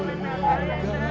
kita salah na